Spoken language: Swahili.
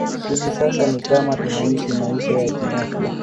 Hivi sasa ni kama tunaishi maisha ya kimafia